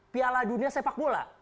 piala dunia sepak bola